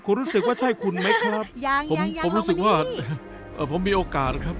คุณรู้สึกว่าใช่คุณไหมครับผมผมรู้สึกว่าผมมีโอกาสนะครับ